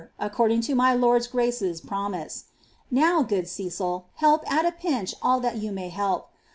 aooording to my lord's grace's promise. Now, good Ceoal, halp «t a piaoh •11 diat you may help.